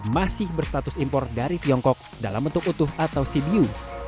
masih berstatus impor dari tiongkok dalam bentuk utuh atau cbu